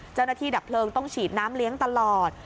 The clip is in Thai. เจ้าหน้าที่ดับเปลิงต้องฉีดน้ำเลี้ยงตลอด